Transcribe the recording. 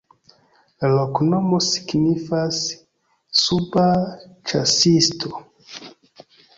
La loknomo signifas: suba-ĉasisto.